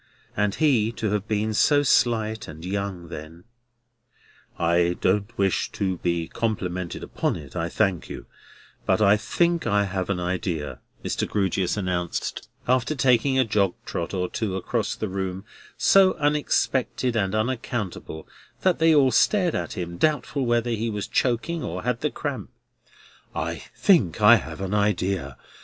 And he to have been so slight and young then! "I don't wish to be complimented upon it, I thank you; but I think I have an idea," Mr. Grewgious announced, after taking a jog trot or two across the room, so unexpected and unaccountable that they all stared at him, doubtful whether he was choking or had the cramp—"I think I have an idea.